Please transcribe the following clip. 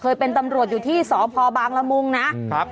เคยเป็นตำรวจอยู่ที่สพบางละมุงนะครับ